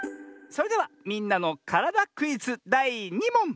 それでは「みんなのからだクイズ」だい２もん！